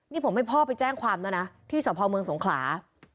นี่ผมให้พ่อไปแจ้งความแล้วนะที่สพเมืองสงขลา